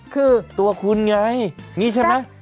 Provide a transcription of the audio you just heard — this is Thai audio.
คือตัวคุณไงนี่ใช่ไหม